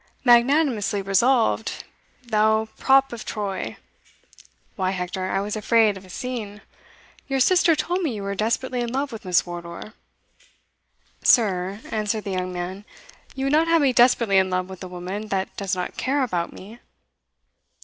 "Magnanimously resolved, thou prop of Troy! Why, Hector, I was afraid of a scene. Your sister told me you were desperately in love with Miss Wardour." "Sir," answered the young man, "you would not have me desperately in love with a woman that does not care about me?"